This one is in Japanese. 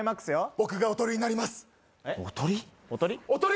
僕がおとりになりますおとり？